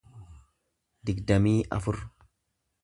digdamii afur